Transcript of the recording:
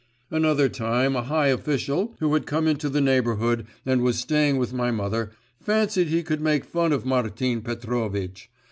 Another time a high official, who had come into the neighbourhood and was staying with my mother, fancied he could make fun of Martin Petrovitch.